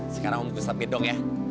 sekarang om gustaf bidong ya